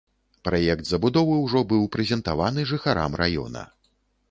Праект забудовы ўжо быў прэзентаваны жыхарам раёна.